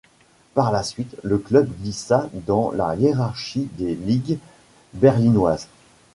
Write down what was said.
Par la suite, le club glissa dans la hiérarchie des ligues berlinoises.